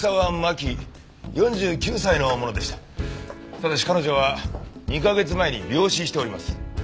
ただし彼女は２カ月前に病死しております。